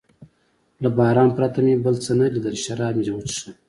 له باران پرته مې بل څه نه لیدل، شراب مې و څښل.